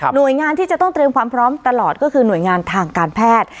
โดยงานที่จะต้องเตรียมความพร้อมตลอดก็คือหน่วยงานทางการแพทย์